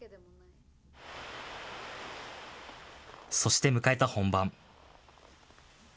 そして迎えた本番。